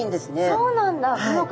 そうなんだ。